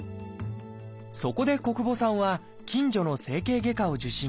そこで小久保さんは近所の整形外科を受診。